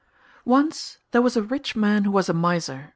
Once there was a rich man who was a miser.